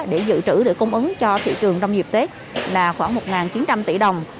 để dự trữ để cung ứng cho thị trường trong dịp tết là khoảng một chín trăm linh tỷ đồng